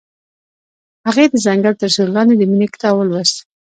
هغې د ځنګل تر سیوري لاندې د مینې کتاب ولوست.